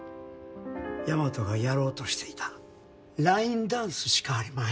大和がやろうとしていたラインダンスしかありまへん。